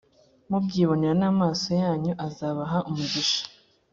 mubyibonera n’amaso yanyu azabaha umugisha?